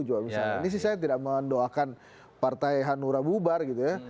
ini sih saya tidak mendoakan partai hanura bubar gitu ya